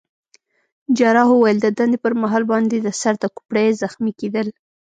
جراح وویل: د دندې پر مهال باندي د سر د کوپړۍ زخمي کېدل.